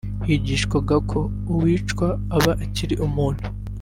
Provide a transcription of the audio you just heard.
higishwaga ko uwicwa aba atakiri umuntu